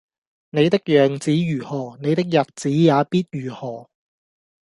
你的樣子如何，你的日子也必如何